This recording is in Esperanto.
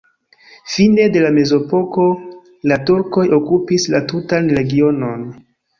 Fine de la mezepoko la turkoj okupis la tutan regionon.